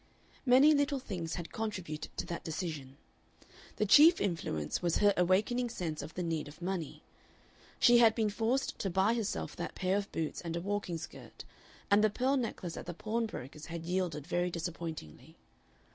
Many little things had contributed to that decision. The chief influence was her awakening sense of the need of money. She had been forced to buy herself that pair of boots and a walking skirt, and the pearl necklace at the pawnbrokers' had yielded very disappointingly.